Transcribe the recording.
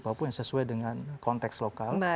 papua yang sesuai dengan konteks lokal